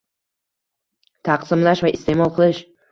taqsimlash va iste’mol qilish